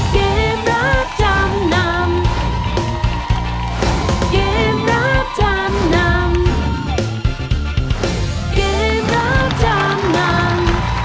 สวัสดีครับ